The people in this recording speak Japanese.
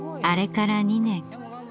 あれから２年。